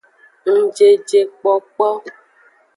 Ngjejekpokpo.